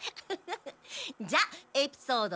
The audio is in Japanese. じゃあエピソード